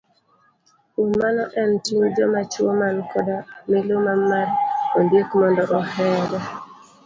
Kuom mano en ting' joma chuo man koda miluma mar ondiek mondo ohore.